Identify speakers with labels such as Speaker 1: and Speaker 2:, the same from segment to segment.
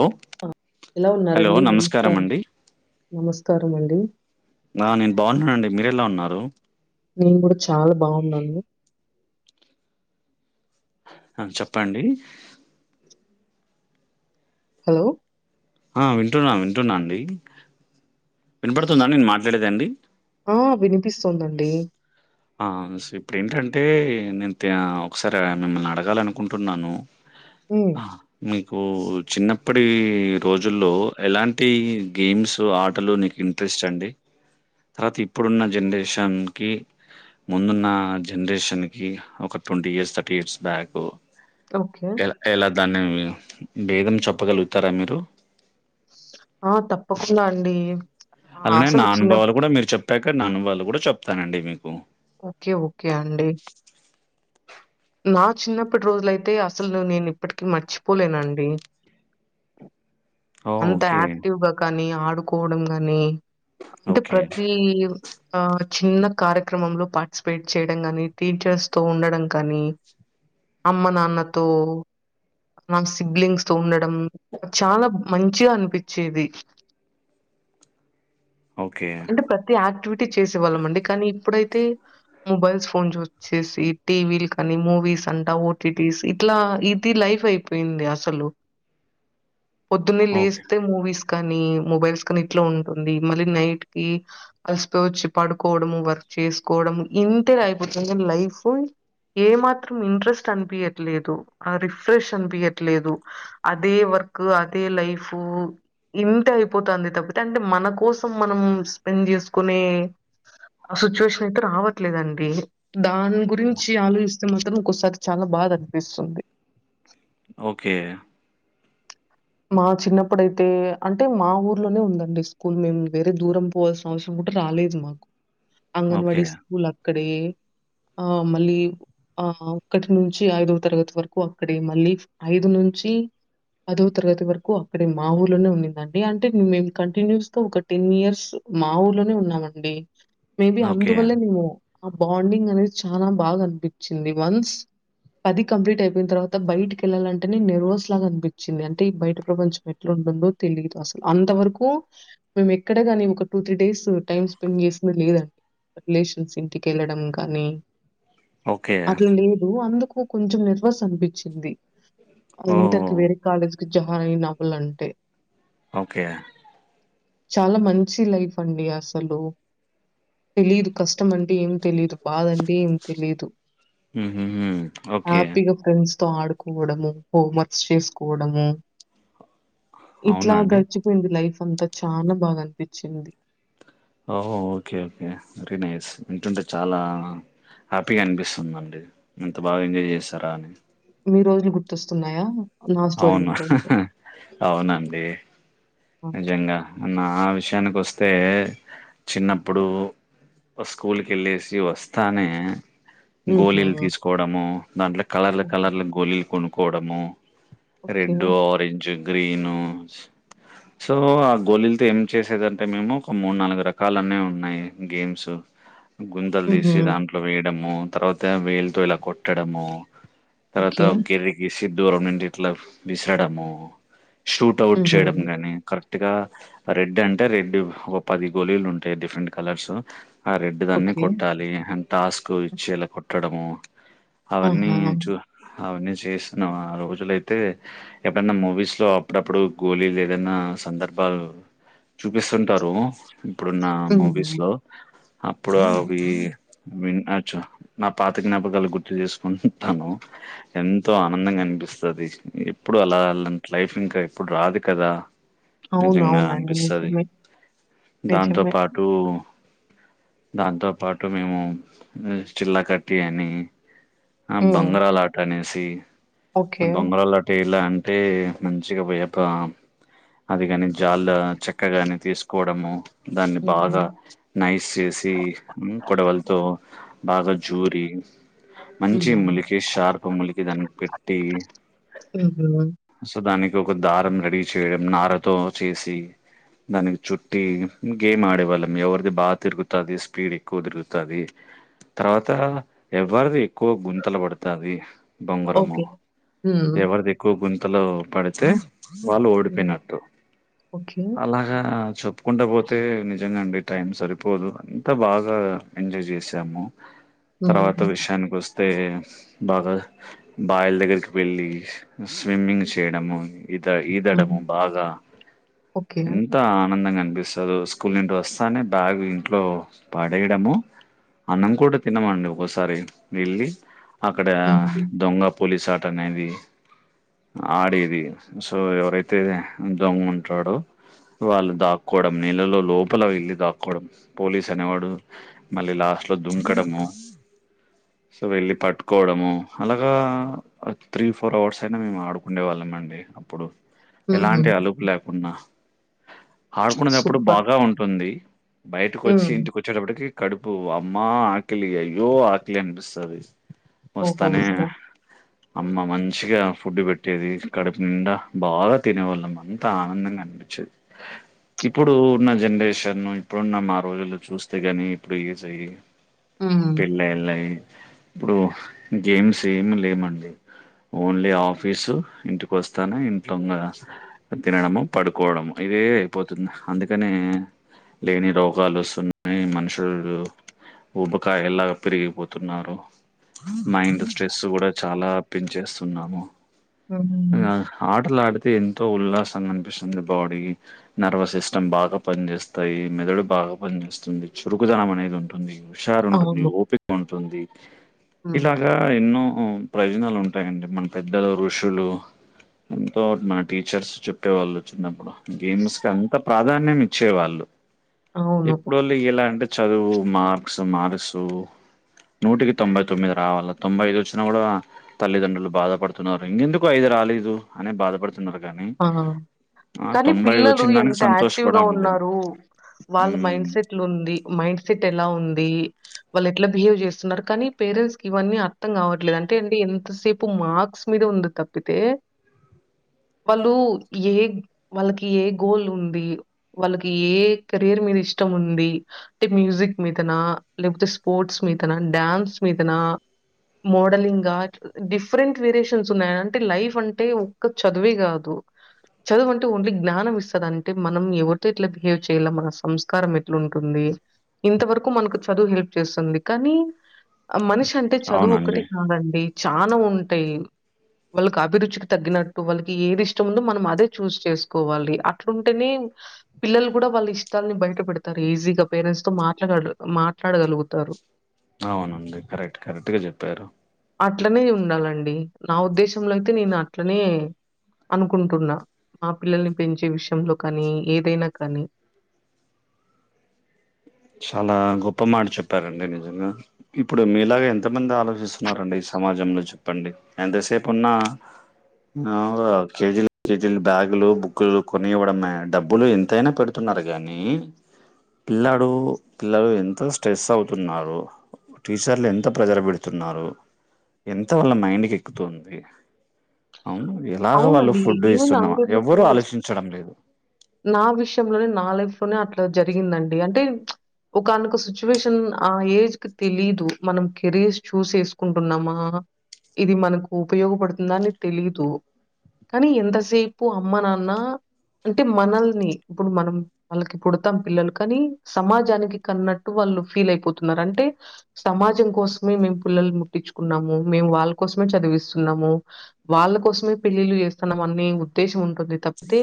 Speaker 1: Hello
Speaker 2: ఎలా
Speaker 1: hello
Speaker 2: ఉన్నారండి నమస్కారం
Speaker 1: అండి
Speaker 2: నమస్కారం అండి
Speaker 1: ఆ నేను బాగున్నానండి మీరెలా ఉన్నారు
Speaker 2: నేను కూడా చాలా బాగున్నాను
Speaker 1: చెప్పండి
Speaker 2: హలో
Speaker 1: ఆ వింటున్నాను వింటున్నాండి వినపడుతుందా నేను మాట్లాడేదా అండి
Speaker 2: ఆ! వినిపిస్తోందండి.
Speaker 1: స ఇప్పుడు ఏంటంటే నేను ఒకసారి మిమ్మల్ని అడగాలినుకుంటున్నాను
Speaker 2: హ్మ్.
Speaker 1: మీకు చిన్నప్పడి రోజుల్లో ఎలాంటి గేమ్స్ ఆటలు నీకు ఇంట్రెస్ట్ అండి తర్వాత ఇప్పుడున్న జనరేషన్ కి ముందున్న జనరేషన్ కి ఒక twenty years thirty years back
Speaker 2: okay
Speaker 1: ఎలా ఎలా దాన్ని భేదం చెప్పగలుగుతారా మీరు
Speaker 2: ఆ తప్పకుండా అండి ఆ!
Speaker 1: అలానే
Speaker 2: అసలు
Speaker 1: నా
Speaker 2: చిన్న
Speaker 1: అనుభవాలు కూడా మీరు చెప్పాక నా అనుభవాలు కూడా చెప్తానండి మీకు
Speaker 2: ఓకే. ఓకే అండి. నా చిన్నప్పటి రోజులైతే అసలు నేనిప్పటికిీ మర్చిపోలేనండి
Speaker 1: ఓహ్!
Speaker 2: అంత
Speaker 1: ఓకే.
Speaker 2: యాక్టివ్ గా కానీ ఆడుకోవడం గానీ అంటె
Speaker 1: ఓకే.
Speaker 2: ప్రతీ ఆ చిన్న కార్యక్రమంలో పార్టిసిపేట్ చేయడం గానీ టీచర్స్ తో ఉండడం కానీ అమ్మ నాన్నతో నాకు సిబ్లింగ్స్ తో ఉండడం చాలా మంచిగా అనిపిచ్చేది
Speaker 1: ఓకే.
Speaker 2: అంటె ప్రత్తీ ఆక్టివిటీ చేసేవాల్లమండి కానీ ఇప్పుడైతే మొబైల్స్ ఫోన్స్ యూజ్చ్చేసీ టీవీల్ కానీ మూవీస్ అంటా ఓటీటీస్ ఇట్లా ఇది లైఫ్ అయిపోయింది ది అస్సలు పొద్దున్నే
Speaker 1: ఓకే.
Speaker 2: లేస్తే మూవీస్ కానీ మొబైల్స్ కని ఇట్లా ఉంటుందీ మల్లీ నైట్ కీ అల్సిపోయి ఒచ్చి పడుకోడమూ వర్క్ చేసుకోడము ఇంతేలా అయిపోతుంది లైఫ్ ఏమాత్రం ఇంట్రస్ట్ అన్పీయట్లేదు ఆ రిఫ్రెష్ అన్పీయట్లేదు అదే వ వర్క్ అదే లైఫూ ఇంతే అయిపోతోంది తప్పితె అంటే మన కోసం మనం స్పెండ్ చేసుకునే ఆ సిచ్యువేషనైతే రావట్లేదండి దాని గురించి ఆలోచిస్తే మాత్రం ఒకోసారి చాలా బాద అనిపిస్తుంది
Speaker 1: ఓకే
Speaker 2: మా చిన్నప్పుడైతే అంటే మా ఊర్లోనే ఉందండి స్కూల్ మేం వేరే దూరం పోవాల్సిన అవసరం రాలేదు మాకు
Speaker 1: ఓకే.
Speaker 2: అంగన్వాడీ స్కూలక్కడే, ఆ మల్లీ ఆహా ఒక్కటి నుంచీ ఐదవ తరగతి వరకూ అక్కడే మల్లీ ఐదు నుంచీ పదో తరగతి వరకూ అక్కడే మా ఊర్లోనే ఉండిందండీ అంటే మేం కంటిన్యూస్ గా ఒక టెన్నియర్స్ మా ఊరు ఇంట్లోనే ఉన్నామండి మేబీ
Speaker 1: ఓకే.
Speaker 2: అందువల్లేనేమో ఆ బాండింగ్ అనేది చాలా బాగా అనిపిచ్చింది వన్స్ పది కంప్లీట్ అయిపోయిన తర్వాత బయిటికెల్లాలంటెనే నెర్వస్ లాగా అనిపిచ్చింది అన్ టే బయట ప్రపంచం ఎట్లుంటుందో తెలీదు అసలు, అంతవరకూ మేమెక్కడగానీ ఒక two three days so time spend చేసింది లేదండి రిలేషన్స్ ఇంటికెళ్లడం కానీ
Speaker 1: ఓకే.
Speaker 2: అట్లలేదు అందుకు కొంచెం నెర్వస్ అనిపిచ్చింది ఇంటర్ కి
Speaker 1: ఓహ్!
Speaker 2: వేరే కాలేజ్ కి ఝాయిన్ అవ్వలంటే
Speaker 1: ఓకే
Speaker 2: చాలా మంచి లైఫ్ అండీ అసలు తెలీదు కష్టం అంటే ఏం తెలీదు బాదంటే ఏం తెలీదు
Speaker 1: మ్మ్ హూ ఓకే
Speaker 2: పాడుకోవడము హోంవర్క్స్ చేసుకోడము
Speaker 1: అవునా
Speaker 2: ఇట్లా
Speaker 1: అండి?
Speaker 2: గడిచిపోయింది లైఫంతా చాల బాగా అనిపిచ్చింది
Speaker 1: ఓహొ ఓకే ఓకే వెరీ నైస్ వింటుంటే చాలా ఆ హ్యాపీగా అనిపిస్తుందండి, ఎంత బాగా ఎంజాయ్ చేసారా అని.
Speaker 2: మీ రోజులు గుర్తొస్తున్నాయా నా స్టోరీ
Speaker 1: అవున
Speaker 2: వింటూ ఉంటే?
Speaker 1: అవునండీ
Speaker 2: ఆ!
Speaker 1: నిజంగా నా విష యానికొస్తే చిన్నప్పుడూ ఫస్ట్ స్కూల్ కి వెళ్ళేసి వస్తానే
Speaker 2: హుహు.
Speaker 1: గోలీల్ తీసుకోడమూ దాంట్లో కలర్ల కలర్ల గోలీలు కొనుక్కోడము
Speaker 2: ఓకే.
Speaker 1: రెడ్, ఆరంజ్, గ్రీను స్ సో ఆ గోలీల్తో ఏం చేసేదంటే మేము ఒక మూడు నాలుగు రకాలనే ఉన్నాయి గేమ్స్ గుంతల్
Speaker 2: హుహు.
Speaker 1: దీసి దాంట్లో వేయడమూ, తర్వాత వేల్తో ఇలా కొట్టడమూ. తర్వాత
Speaker 2: ఓకే.
Speaker 1: ఒక గేర్రిగీసి దూరం నుండి ఇట్లా విసరడము షూట్అవుట్
Speaker 2: హుహు.
Speaker 1: చేయడం గానీ కరక్ట్ గా రెడ్ అంటే రెడ్ ఓ పది గోలీలు ఉంటాయి డిఫరెంట్ కలర్సు ఆ రెడ్ దన్ని
Speaker 2: ఓకే.
Speaker 1: కొట్టాలి అ టాస్క్ ఇచ్చి ఇలా కొట్టడము అవన్నీ
Speaker 2: ఆహా!
Speaker 1: చూ అవన్నీ చేసినం ఆ రోజులయితే ఎప్పుడన్నా మూవీస్లో అప్పుడప్పుడు గోలీలు ఏదన్నా సందర్భారాలలో చూపిస్తుంటారు ఇప్పుడున్న
Speaker 2: హుహు.
Speaker 1: మూవీస్ లో అప్పుడు
Speaker 2: హ్మ్.
Speaker 1: అవి నా పాత జ్ఞాపకాలు గుర్తు చేసుకుంటాను ఎంతో ఆనందంగా అనిపిస్తది ఎప్పుడు అలా అలాంటి లైఫ్ ఇంకా ఎప్పుడు రాదు కదా నిజంగా
Speaker 2: అవునవునండి.
Speaker 1: అనిపిస్తది
Speaker 2: నిజమే.
Speaker 1: దాంతో
Speaker 2: నిజమే.
Speaker 1: పాటు దాంతో పాటు మేము చిల్ల కట్టి అని ఆ
Speaker 2: హ్మ్.
Speaker 1: బొంగరాల ఆట అనేసి
Speaker 2: ఓకే.
Speaker 1: బొంగరాల ఆట ఇలా అంటే మంచిగా వేప అది కానీ చాలా చక్కగానే తీసుకోవడము దాన్ని
Speaker 2: హుహు.
Speaker 1: బాగా నైస్ చేసి కోడవలతో బాగా జూరి మంచి ములికి షార్ప్ ములికి దానికి పెట్
Speaker 2: ఉహూ
Speaker 1: సో దానికి ఒక దారం రెడీ చేయడం నారతో చేసి దానికి చుట్టి గేమ్ ఆడేవాళ్ళం ఎవరిది బాగా తిరుగుతది స్పీడ్ ఎక్కువ తిరుగుతది తర్వాత ఎవరిది ఎక్కువ గుంతలు పడుతది బొంగరము
Speaker 2: ఓకే. హ్మ్.
Speaker 1: ఎవరిది ఎక్కువ గుంతలో పడితే వాళ్ళు
Speaker 2: హ్మ్.
Speaker 1: ఓడిపోయినట్టు
Speaker 2: ఓకే.
Speaker 1: అలాగా చెప్పుకుంటా పోతే నిజంగా అండి టైం సరిపోదు అంతా బాగా ఎంజాయ్ చేసాము
Speaker 2: హ్మ్.
Speaker 1: తర్వాత విషయానికి వస్తే బాగా బయల్ దగ్గరికి వెళ్ళి స్విమ్మింగ్ చేయడము ఇద ఈదడము
Speaker 2: హ్మ్.
Speaker 1: బాగా
Speaker 2: ఓకే.
Speaker 1: ఎంత ఆనందంగా పిస్తదో స్కూల్ నుంటి వస్తానే బ్యాగ్ ఇంట్లో పడేయడము అన్నం కూడా తినమండి ఒకసారి వెళ్ళి అక్కడ
Speaker 2: హ్మ్.
Speaker 1: దొంగ పోలీస్ ఆట అనేది ఆడేది సో ఎవరైతే దొంగ ఉంటాడో వాళ్ళు దాక్కోవడం నీళ్ళల్లో లోపల వెళ్ళి దాక్కోవడం పోలీస్ అనేవాడు మళ్ళీ లాస్ట్ లో దుంకడము సో వెళ్ళి పట్టుకోవడము అలాగా త్రీ ఫోర్ అవర్స్ అయినా మేము ఆడుకునే వాళ్ళం అండి అప్పుడు
Speaker 2: హుహు.
Speaker 1: ఎలాంటి అలుపు లేకుండా ఆడుకునేటప్పుడు
Speaker 2: సూపర్.
Speaker 1: బాగా ఉంటుంది బయటకు వచ్చి
Speaker 2: హ్మ్.
Speaker 1: ఇంటికి వచ్చేటప్పటికి కడుపు అమ్మ ఆకలి అయ్యో ఆక్లి అనిపిస్తది వస్తానే
Speaker 2: ఓహోహో!
Speaker 1: అమ్మ మంచిగా ఫుడ్డు పెట్టేది కడుపు నిండా బాగా తినేవాళ్ళం అంతా ఆనందం అనిపించేది ఇప్పుడు ఉన్న జనరేషన్ ఇప్పుడున్న మా రోజుల్లో చూస్తే గాని ఇప్పుడు యుజ్ అయ్యి
Speaker 2: హ్మ్.
Speaker 1: పెళ్ళిళయి ఇప్పుడు గేమ్స్ ఏమి లేమండి ఓన్లీ ఆఫీసు ఇంటికి వస్తానే ఇంట్లో తినడము పడుకోవడం ఇవే అయిపోతుంది అందుకని లేని రోగాలు వస్తున్నాయి మనుషులు ఊబ్బకాయల లాగా పెరిగిపోతున్నారు మైండ్ స్ట్రెస్ కూడా చాలా పెన్ చేేస్తున్నాము
Speaker 2: హ్మ్.
Speaker 1: ఆటలడితే ఎంతో ఉల్లాసంగా అనిపిస్తుంది బాడీ నర్వస్ సిస్టమ్ బాగా పని చేేస్తాయి మెదడు బా పనిచేస్తుంది చురుకుదనం అనేది ఉంటుంది హుషారు ఉంటుంది
Speaker 2: అవును.
Speaker 1: ఓపిక ఉంటుంది
Speaker 2: హ్మ్.
Speaker 1: ఇలాగా ఎన్నో ప్రయోజనాలు ఉంటాయండి మన పెద్దలు ఋషులు ఎంతోటి మన టీచర్స్ చెప్పే వాళ్ళు చిన్నప్పుడు గేమ్స్ కి అంత ప్రాధాన్యం ఇచ్చే వాళ్ళు
Speaker 2: అవును.
Speaker 1: ఎప్పుడోళ్ళు ఇలా అంటె చదువు మార్క్స్ మార్సు నూటికి తొంభై తొమ్మిది రావాల తొంభై ఐదు వచ్చినా కూడా తల్లిదండ్రులు బాధపడుతున్నారు ఇంకెందుకు ఐదు రాలేదు అనే బాధపడుతున్నారు గానీ
Speaker 2: ఆ! కానీ పిల్లలు ఎంత యాక్టివ్ గా
Speaker 1: లేదు
Speaker 2: ఉన్నారు వాళ్ళ
Speaker 1: మ్మ్
Speaker 2: మైండ్ సెట్లు ఉంది మైండ్ సిట్ ఎలా ఉంది వాళ్ళు ఎట్లా బిహేవ్ చేస్తున్నారు కానీ పేరెంట్స్ కి ఇవన్నీ అర్థం కావట్లేదు అంటే అండి ఎంతసేపు మార్క్స్ మీద ఉంది తప్పితే వాళ్ళు ఏ వాళ్ళకి ఏ గోల్ ఉంది వాళ్ళకి ఏ కెరీర్ మీద ఇష్ ఇష్టం ఉంది అంటే మ్యూజిక్ మీదనా లేకపోతే స్పోర్ట్స్ మీదన డ్యాన్స్ మీదన మోడలింగ్గా డిఫరెంట్ వేరియేషన్స్ ఉన్నాయ అంటే లైఫ్ అంటే ఒక్క చద్ వే గాదు చదువంటే ఓన్లీ జ్ఞానం ఇస్తది అంటే మనం ఎవరితో ఎట్లా బిహేవ్ చేయల మన సంస్కారం ఎట్లా ఉంటుంది ఇంతవరకు మనకు చదువు హెల్ప్ చేస్తుంది కానీ మనిషి అంటే చదువు ఒకటి
Speaker 1: అవునండి
Speaker 2: కాదండి చానా ఉంటాయి వాళ్ళకి అభిరుచికి తగ్గిన వాళ్ళకి ఏది ఇష్టం ఉందో మనం అదే చూస్ చేసుకోవాలి అట్లుంటేనే పిల్లలు కూడా వాళ్ళ ఇష్టం ని బయట పెడతారు ఈజీగా పేరెంట్స్ తో మాట్లా మాట్లాడగలుగుతారు
Speaker 1: అవునండి కరెక్ట్ కరెక్ట్గా చెప్పారు
Speaker 2: అట్లనే ఉండాలండి నా ఉద్దేశంలో అయితే నేను అట్లనే అనుకుంటున్నా మా పిల్లల్ని పెంచే విషయంలో కానీ ఏదైనా కానీ
Speaker 1: చాలా గొప్ప మాట చెప్పారండి నిజంగా ఇప్పుడు మీలాగ ఎంత త మంది ఆలోచిస్తున్నారండి సమాజంలో చెప్పండి ఎంతసేపు ఉన్నా అ కేజీలు కేజీలు బ్యాగులు బుక్లు కొని ఇవ్వడమే డబ్బులు ఎంతైనా పెడుతున్నా కాని పిల్లాడు పిల్లలు ఎంతో స్ట్రెస్ అవుతున్నారు టీషర్లు ఎంత ప్రెషర్ పెడుతున్నారు ఎంత వల్ల మైండ్కి ఎక్కుతుంది అవును ఎలాగ వాళ్ళు
Speaker 2: అవునండి.
Speaker 1: ఫుడ్
Speaker 2: ఈవెన్
Speaker 1: ఇస్తున్నామ
Speaker 2: అంతెందుకు
Speaker 1: ఎవ్వరు ఆలోచించడం లేదు
Speaker 2: నా విషయంలోనే నా లైఫ్ లోనే అట్లా జరిగిందండి అంటే ఒకనొక సిచ్యువేషన్ ఆ ఏజ్ కి తెలిదు మనం కెరీర్ చూజ్ చేసుకుంటున్నామా ఇది మనకు ఉపయోగపడుతుంద అని తెలియదు కానీ ఎంతసేపు అమ్మ నాన్న అంటే మనల్ని ఇప్పుడు మనం వాళ్ళకి పుడతాం పిల్లలు కానీ సమాజానికి కన్నట్టు వాళ్ళ వాళ్ళు ఫీల్ అయిపోతున్నారు అంటే సమాజం కోసమే మేము పిల్లలు ముట్టించుకున్నాము మేము వాళ్ళ కోసమే చదివిస్తున్నాము వాళ్ళ కోసమే పెళ్ళిళ్ళ చేస్తన్నాం అనే ఉద్దేశం ఉంటుంది తప్పితే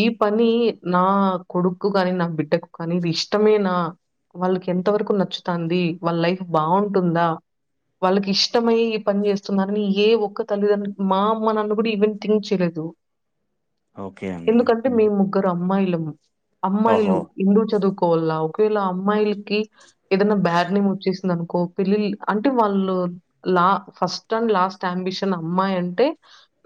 Speaker 2: ఈ పని నా నా కొడుక్కు కానీ నా బిడ్డకు కానీ ఇది ఇష్టమేనా వాళ్ళకి ఎంత వరకు నచ్చుతాంది వాళ్ళ లైఫ్ బాగుంటుందా వాళ్ళకి ఇష్టమై ఈ పని చేస్తున్నారుని ఏ ఒక్క తల్లిదండ్రులు మా అమ్మ నాన్న కూడా ఈవెన్ థింగ్ చేయలేదు
Speaker 1: ఓకే అండి
Speaker 2: ఎందుకంటే మేము ముగ్గురు అమ్మాయలమ్ అమ్మాయిలు
Speaker 1: ఓహో
Speaker 2: ఎందుకు చదువుకోవాలన ఒకవేళ అమ్మాయిలకి ఏదైనా బ్యాడ్ నేమ్ వచ్చేసింది అనుకో పిల్లిలు అంటే వాళ్ళు లా ఫస్ట్ అండ్ లాస్ట్ అంబిషన్ అమ్మాయి అండ్ అంటే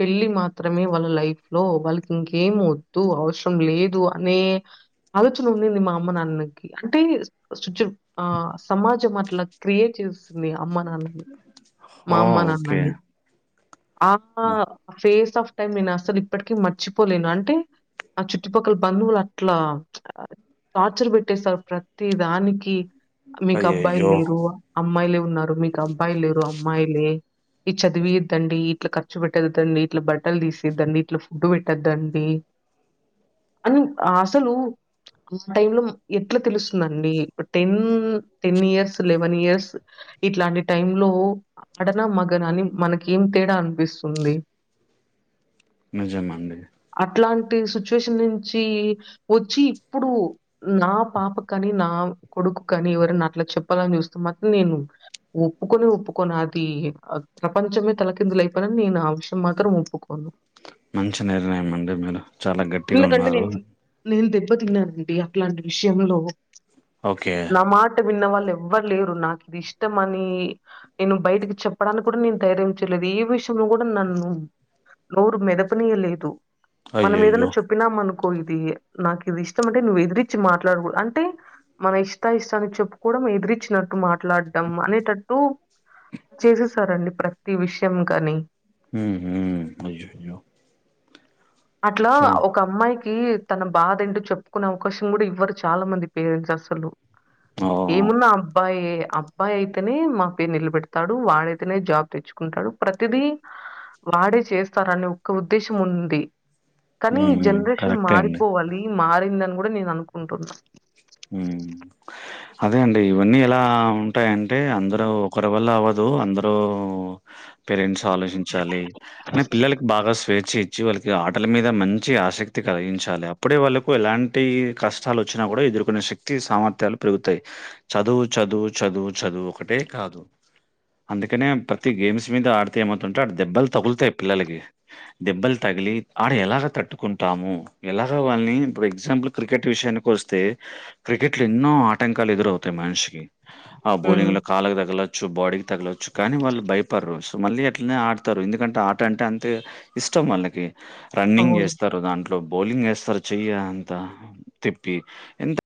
Speaker 2: పెళ్ళి మాత్రమే వాళ్ళ లైఫ్ లో వాళ్ళకి ఇంకేమి వద్దు అవసరం లేదు అని అ ఆలోచన ఉండింది మా అమ్మనాన్నకి అంటే సిట్యు ఆ సమాజం అట్లా క్రియేట్ చేస్తుంది అమ్మనాన్నని
Speaker 1: హో ఓకే
Speaker 2: ఆ ఫేస్ ఆఫ్ టైమ్ నేను అసలు ఇప్పటిక మర్చిపోలేను అంటే ఆ చుట్టుపక్కల బంధువులు అట్లా టార్చర్ పెట్టేస్తారు ప్రతీ దానికి మీకు అబ్బాయిలు
Speaker 1: అయ్యయ్యో
Speaker 2: లేరు అమ్మాయిలే ఉన్నారు మీకు అబ్బాయిలు లేరు అమ్మా అమ్మాయిలే ఈ చదివీ దండి ఇట్లా ఖర్చు పెట్టద్దండి ఇట్లా బట్టలు తీసిద్దండి ఇట్లా ఫుడ్ పెట్టద్దండి అని అసలు ఆ టైమ్ లో ఎట్లా తెలుస్తుందండి ఒక ten ten years eleven years ఇట్లాంటి టైమ్ లో ఆడన మగన అని మనకి కేమ్ తేడా అనిపిస్తుంది
Speaker 1: నిజమండీ
Speaker 2: ట్లాంటి సిట్యుయేషన్ నుంచి వచ్చి ఇప్పుడు నా పాప కాని నా కొడుకు కానీ ఎవరైనా అట్లా చెప్పాలని చూస్తే మాత్రం నేను ఒప్పుకొని ఒప్పుకోను అది ప్రపంచమే తలకిందులు అయిపోనని నేను ఆ విషయం మాత్రం ఒప్పుకో
Speaker 1: మంచి నిర్ణయమండి మీరు చాలా గట్టిగా
Speaker 2: ఎందుకంటే
Speaker 1: ఉన్నారు
Speaker 2: నేను నేను దెబ్బ అట్లాంటి విషయంలో
Speaker 1: ఓకే
Speaker 2: నా మాట విన్నవాళ్ళు ఎవరు లేరు నాకు ఇది ఇష్టం అని నేను బయటకి చెప్పడానికి కూడా నేను ధైర్య లేదు ఏ విషయంలో కూడా నన్ను నోరు మెదపనీయలేదు మనం ఏదైనా
Speaker 1: అయ్యయ్యో
Speaker 2: చెప్పినా మనకు కో ఇది నాకు ఇది ఇష్టం అంటే నువ్వు ఎదిరిచ్చి మాట్లాడకూడదు అంటే మన ఇష్టా ఇష్టానికి చెప్పు కోవడం ఎదిరిచ్చినట్టు మాట మాట్లాడడం అనేటట్టు చేసేసారండి ప్రతి విషయం కాని
Speaker 1: ఉహు అయ్యయ్యో
Speaker 2: అట్లా
Speaker 1: సో
Speaker 2: ఒక అమ్మాయికి తన బాధ ఏంటో చెప్పుకునే అవకాశం కూడా ఇవ్వరు చాలా మంది పేరెంట్స్ అసలు
Speaker 1: ఓ
Speaker 2: ఏమున్నా అబ్బాయి అబ్బాయి అయితేనే మా పేరు నిల పెడతాడు వాడైతేనే జాబ్ తెచ్చు టాడు ప్రతిదీ వాడే చేస్తారనే ఒక ఉద్దేశం ఉంది కానీ ఈ
Speaker 1: హ్మ్
Speaker 2: జనరేషన్
Speaker 1: కరెక్టే అండి
Speaker 2: మారిపోవాలి మారిందని కూడా నేను అనుకుంటున్నా
Speaker 1: ఉమ్ అదే అండి ఇవన్నీ ఎలా ఉంటాయంటే అందరు ఒకరి వల్ల అవ్వదు అందరు పేరెంట్స్ ఆలోచించాలి అ పిల్లలకి బాగా స్వేచ్ఛ ఇచ్చి వాళ్ళ ఆటల మీద మంచి ఆసక్తి కలిగించాలి అప్పుడే వాళ్ళలకు ఎలాంటి కష్టాలు వచ్చినా కూడా ఎదురు కొనే శక్తి సామర్థ్యాలు పెరుగుతాయి చదువు చదువు చదువు చదువు ఒకటే కాదు అందుకనే ప్రతి గేమ్స్ మీద ఆడితే ఏమవుతుంటే దెబ్బలు తగులుతాయి పిల్లకి దెబ్బలు త తగిలి ఆడ ఎలాగ తట్టుకుంటాము ఎలాగా వాళ్ళని ఇప్పు ఎగ్జాంపుల్ క్రికెట్ విషయానికి వస్తే క్రికెట్ లో ఎన్నో ఆటంకాలు ఎదురవుతాయి మనిషికి ఆ బ పోలింగ్
Speaker 2: హ్మ్.
Speaker 1: లో కాలకు దగలచ్చు బాడీ తగలవచ్చు కానీ వాళ్ళు భయపడరు సో మళ్ళీ అట్లనే ఆడతారు ఎందుకంటే ఆట అంటే అంతే ఇష్టం వాళ్ళకి రన్నింగ్
Speaker 2: అవును
Speaker 1: చేస్తారు దాంట్లో బౌలింగ్ వస్తారు చెయ్య అంత తెప్పి ఎంత